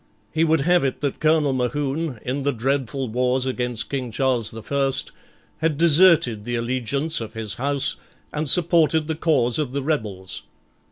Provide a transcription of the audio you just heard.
He would have it that Colonel Mohune, in the dreadful wars against King Charles the First, had deserted the allegiance of his house and supported the cause of the rebels.